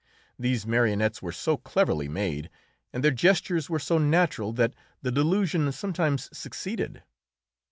These marionettes were so cleverly made, and their gestures were so natural, that the delusion sometimes succeeded.